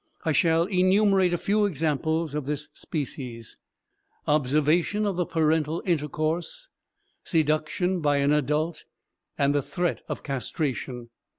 I shall enumerate a few examples of this species: observation of the parental intercourse, seduction by an adult, and the threat of castration.